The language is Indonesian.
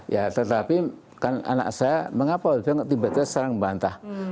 ya tetapi kan anak saya mengapa tiba tiba sekarang membantah